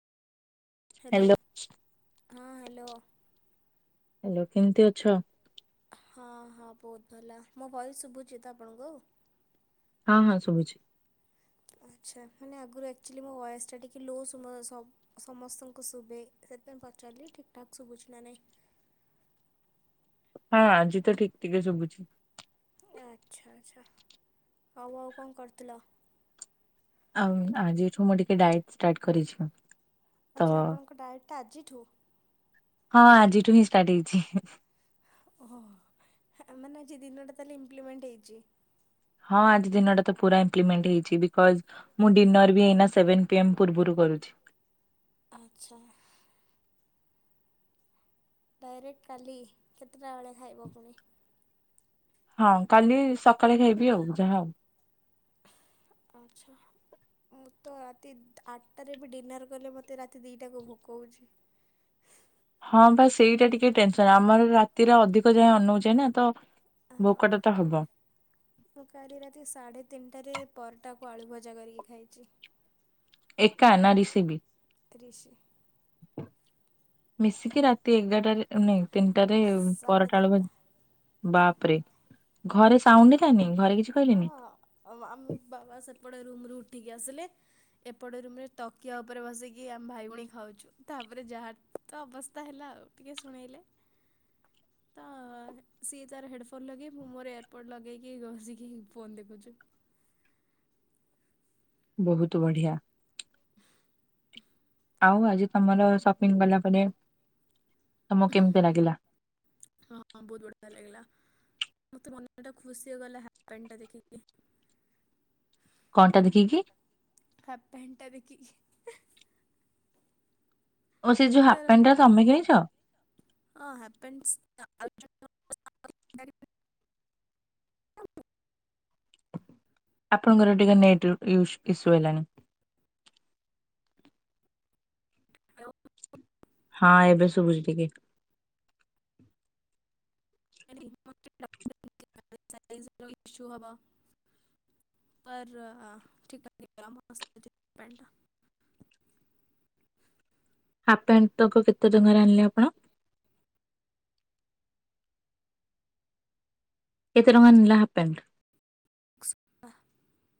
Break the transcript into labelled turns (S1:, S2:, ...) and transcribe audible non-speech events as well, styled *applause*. S1: Hello
S2: hello
S1: ହଁ hello.
S2: Hello କେମତି ଅଛ?
S1: ହଁ ହଁ ବହୁତ ଭଲ ମୋ ଭୟସ ଶୁଭୁଛି ତ ଆପଣଙ୍କୁ
S2: ହଁ ହଁ ଶୁଭୁଛି।
S1: ଆଛା ମାନେ ଆଗରୁ ଅକ୍ଚୋଲି ମୋ ଭାଏସଟା ଟିକେ ଲୋ ସୁମା ସମ ସମସ୍ତଙ୍କୁ ଶୁଭେ ସେଥିପାଇଁ ପଚାରିଲି ଠିକ୍ ଠାକ୍ ଶୁଭୁଛି ନାହିଁ।
S2: *inaudible* ହଁ ଆଜି ତ ଠିକ ଟିକେ ଶୁଭୁଚି।
S1: ଆଛା ଆଛା ଆଉ ଆଉ କଣ କରୁଥିଲ?
S2: ଆଉ ଆଜିଠୁ ମୁଁ ଟିକେ ଡାଏଟ ଷ୍ଟାର୍ଟ କରିଛି ପା।
S1: ଆଛା ଆପଣଙ୍କ ଡାଏଟ ଟା ଆଜିଠୁ
S2: ହଁ ଆଜିଠୁ ହିଁ ଷ୍ଟାର୍ଟ ହେଇଚି।
S1: ଓ ମାନେଜି ଦିନଟା ତାହେଲେ ଇପ୍ଲିମେଣ୍ଟ ହେଇଚି।
S2: ହଁ ଆଜି ଦିନଟା ତ ପୁରା ଇମ୍ପ୍ଲିମେଣ୍ଟ ହେଇଚି ବିକଜ ମୁଁ ଡିନର ବି ଏଇ ସେଭନ ପୂର୍ବରୁ କରୁ *inaudible*
S1: ଆଛା। ଡାଇରେକ୍ଟ କାଲି କେତେଟା ବେଳେ ଖାଇବ ପୁଣି?
S2: ହଁ କାଲି ସକାଳେ ଖାଇବି ଆଉ ଯାହା ହଉ।
S1: ଆଛା। ମୁଁ ତ ରାତି ଆଠଟାରେ ବି ଡିନର୍ କଲେ ମୋତେ ରାତି ଦିଇଟାକୁ ଭୋକହୋଉଚି।
S2: ହଁ ବା ସେଇଟା ଟିକେ ଟେନସନ ଆମର ରାତିରେ ଅଧିକ ଯାଏ ଅନଉଚେ ନା ତ
S1: ହଁ
S2: ଭୋକଟା ତ ହବ।
S1: ମୁଁ କାଲି ରାତି ସାଢ଼େ ତିନଟାରେ ପରଟାକୁ ଆଳୁ ଭଜା କରିକି ଖାଇଚି।
S2: ଏକା ନା ରିସି ବିି
S1: ତ୍ରିଶି
S2: ମିଶିକି ରାତି ଏଗାରଟାରେ ନାଇ ଟାରେ
S1: ସାଢ଼େ
S2: ପରଟା ଆଳୁ ଭ
S1: ତିନିଟା
S2: ବାପରେ ଘରେ ସାଉଣ୍ଡ ହେଲାନି ଘରେ କିଛି
S1: ହଁ
S2: କହିଲେନି?
S1: ଅ ଆମେ ବାବା ସେ ପଡେ ରୁମ ଠିକି ଆସିଲେ ଏପଟ ରୁମରେ ତକିଆ ଉପରେ ବସିକି ଆମେ ଭାଇଭଉଣୀ ଖାଉଛୁ ତାପରେ ଯାହା ତ ଅବସ୍ଥା ହେଲା ଆଉ ଟିକେ ଶୁଣେଇଲେ।
S2: *inaudible*
S1: ତ ସିଏ ତାର ହେଡ ଫୋନ ଲଗେଇ ମୁଁ ମୋର ଏୟାରପୋର୍ଟ ଲଗେଇକି ଘ ଗେଇକି ଫୋନ ଦେଖୁଚୁ।
S2: ବହୁତ ବଢ଼ିଆ। ଆଉ ଆଜି ତମର ସପିଙ୍ଗ କଲା ପରେ ତମକୁ କେମିତି ଲାଗିଲା?
S1: ହଁ ହଁ ବହୁତ ବଢିଆ ଲାଗିଲା। ମୋତେ ମନଟା ଖୁସି ହେଇଗଲା ହାଲ୍ଫ ପ୍ୟାଣ୍ଟଟା ଦେଖିକି।
S2: କଣ ଟା ଦେଖିକି
S1: ହାଲ୍ଫ ପ୍ୟାଣ୍ଟ ଟା ଦେଖିକି।
S2: ଓ ସେ ଯୋଉଁ ହାଫ
S1: ତାର
S2: ପ୍ୟାଣ୍ଟ ଟା ତମେ କିଣିଛ?
S1: ଆ *unintelligible*
S2: ଆପଣଙ୍କର ଟିକେ ନେଟ ୟୁ ୟୁସୁ ହେଲାଣି।
S1: ହଉ।
S2: ହଁ ଏବେ ଶୁଭୁଛି ଟିକେ।
S1: *unintelligible* ହବ। ପର ଠିକା *unintelligible*
S2: *inaudible* ପେଣ୍ଟ ତକ କେତେ ଟଙ୍କାରେ ଆଣିଲେ ଆପଣ? କେତେ ଟଙ୍କା ନେଲା ହାଲ୍ଫ ପ୍ୟାଣ୍ଟ?
S1: ୱ